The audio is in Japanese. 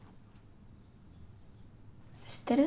知ってる？